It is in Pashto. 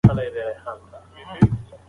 هغه هیڅکله د خپل رزق په اړه شک نه کاوه.